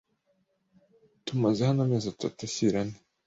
Tumaze hano amezi atatu ashyira ane,